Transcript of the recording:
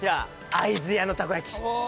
会津屋のたこ焼き！